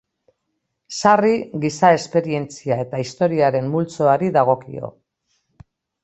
Sarri, giza esperientzia eta historiaren multzoari dagokio.